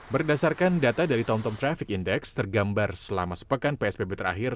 berdasarkan data dari tomtom traffic index tergambar selama sepekan psbb terakhir